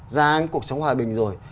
ra án cuộc sống hòa bình rồi